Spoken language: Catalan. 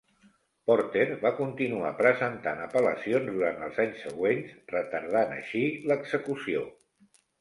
Porter va continuar presentant apel·lacions durant els anys següents, retardant així l'execució.